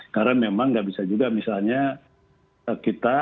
karena memang nggak bisa juga misalnya kita